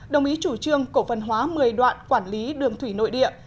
đồng ý chủ trương cổ phần hóa một mươi đoạn quản lý đường thủy nội địa